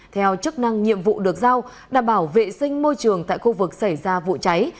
theo chức năng nhiệm vụ được giao đảm bảo vệ sinh môi trường tại khu vực xảy ra vụ cháy